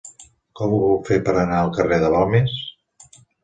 Com ho puc fer per anar al carrer de Balmes?